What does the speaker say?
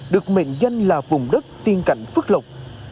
được mệnh danh là vùng đất tiên cảnh phước lộc